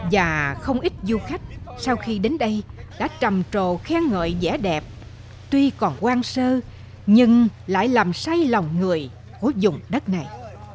và không ít du khách sau khi đến đây đã trầm trồ khen ngợi vẻ đẹp tuy còn quang sơ nhưng lại làm say lòng người của dùng đất này